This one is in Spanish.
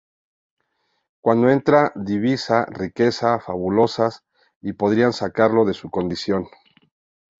Cuando entra, divisa riquezas fabulosas, que podrían sacarlo de su condición...